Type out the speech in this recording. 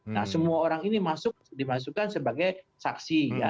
nah semua orang ini dimasukkan sebagai saksi